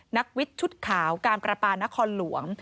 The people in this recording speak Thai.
นักวิทย์ชุดขาวการประปานครหลวง